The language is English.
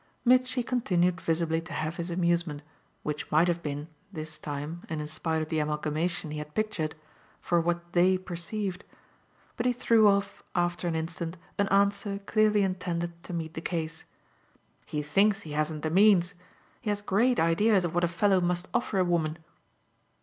Mitchy continued visibly to have his amusement, which might have been, this time and in spite of the amalgamation he had pictured, for what "they" perceived. But he threw off after an instant an answer clearly intended to meet the case. "He thinks he hasn't the means. He has great ideas of what a fellow must offer a woman."